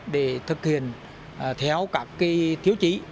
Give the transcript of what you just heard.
để thực hiện theo các cái thiếu chí